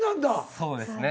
そうですね。